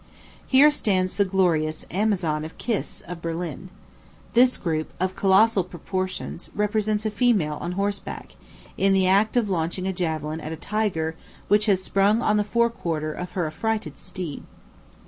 Here stands the glorious Amazon of Kiss, of Berlin. This group, of colossal proportions, represents a female on horseback, in the act of launching a javelin at a tiger which has sprung on the fore quarter of her affrighted steed.